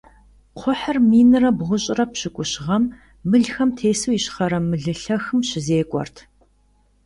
Кхъухьыр минрэ бгъущӏрэ пщыкӏущрэ гъэм мылхэм тесу Ищхъэрэ Мылылъэхым щызекӀуэрт.